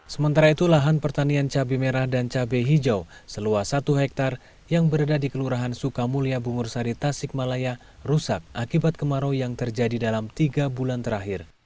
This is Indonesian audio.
sementara itu lahan pertanian cabai merah dan cabai hijau seluas satu hektare yang berada di kelurahan sukamulya bungur sari tasikmalaya rusak akibat kemarau yang terjadi dalam tiga bulan terakhir